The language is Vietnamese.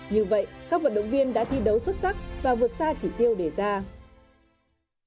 như vậy các vận động viên đã thi đấu xuất sắc và vượt xa chỉ tiêu đề ra